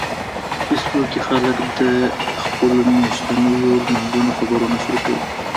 په فېسبوک کې خلک د خپلو میاشتنيو لمانځنو خبرونه شریکوي